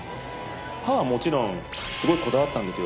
刃はもちろんすごいこだわったんですよ。